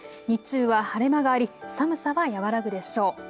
日中は晴れ間があり寒さは和らぐでしょう。